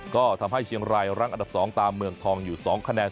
ก็ทำให้เชียงรายรั้งอันดับ๒ตามเมืองทองอยู่๒คะแนน